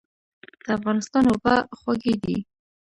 د افغانستان اوبه خوږې دي.